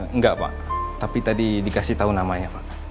enggak pak tapi tadi dikasih tahu namanya pak